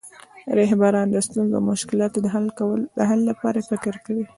رهبران د ستونزو او مشکلاتو د حل لپاره فکر کوي.